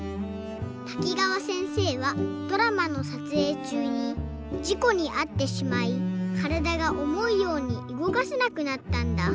滝川せんせいはドラマのさつえいちゅうにじこにあってしまいからだがおもうようにうごかせなくなったんだ。